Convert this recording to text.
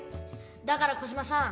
だからコジマさん